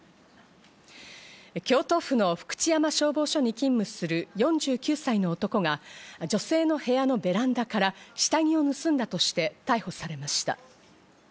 京都府の福知山消防署に勤務する４９歳の男が女性の部屋のベランダから下着を盗んだとして逮捕されました。